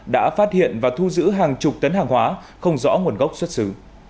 đã phát hiện và thu giữ hàng chục tấn hàng hóa không rõ nguồn gốc xuất xứ